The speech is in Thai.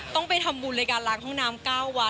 ต้องไปทำบุญในการล้างห้องน้ำ๙วัน